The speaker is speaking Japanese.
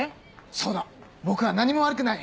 そうだ僕は何も悪くない！